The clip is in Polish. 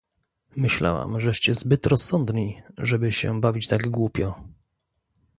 "„Myślałam, żeście zbyt rozsądni, żeby się bawić tak głupio."